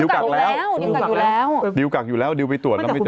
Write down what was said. ดิวกักอยู่แล้วดิวไปตรวจแล้วไม่เจอมันกักอยู่แล้วดิวกักอยู่แล้วดิวไปตรวจแล้วไม่เจอ